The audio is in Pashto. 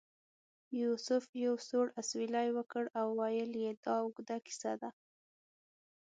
یوسف یو سوړ اسویلی وکړ او ویل یې دا اوږده کیسه ده.